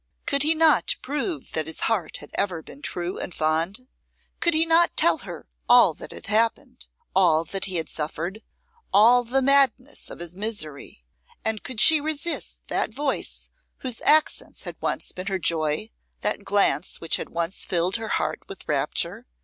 Could he not prove that his heart had ever been true and fond? Could he not tell her all that had happened, all that he had suffered, all the madness of his misery; and could she resist that voice whose accents had once been her joy, that glance which had once filled her heart with rapture?